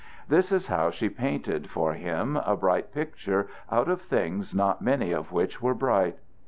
This is how she painted for him a bright picture out of things not many of which were bright.